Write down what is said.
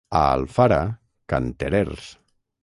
A Alfara, canterers.